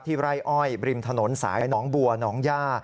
ไร่อ้อยบริมถนนสายหนองบัวหนองย่า